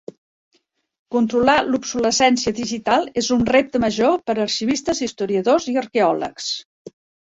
Controlar l'obsolescència digital és un repte major per a arxivistes, historiadors i arqueòlegs.